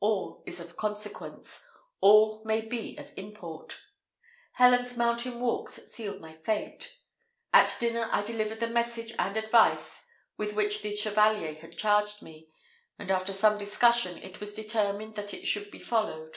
All is of consequence all may be of import. Helen's mountain walks sealed my fate. At dinner I delivered the message and advice, with which the chevalier had charged me; and after some discussion, it was determined that it should be followed.